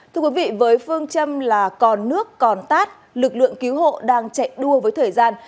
thưa quý vị với phương châm là còn nước còn tát lực lượng cứu hộ đang chạy đua với thời gian